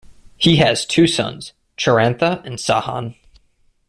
He has two sons, Chirantha and Sahan.